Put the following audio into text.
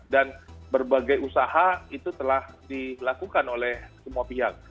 dan berbagai usaha itu telah dilakukan oleh semua pihak